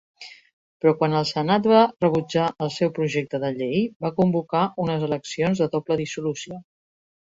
Però quan el Senat va rebutjar el seu projecte de llei, va convocar unes eleccions de doble dissolució.